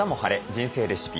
人生レシピ」。